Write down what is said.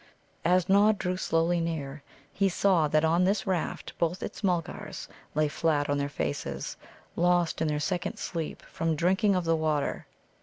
As Nod drew slowly near, he saw that on this raft both its Mulgars lay flat on their faces, lost in their second sleep from drinking of the water.